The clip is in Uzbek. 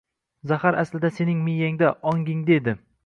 Zahar aslida sening miyangda, ongingda edi